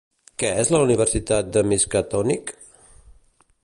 Què és la Universitat de Miskatonic?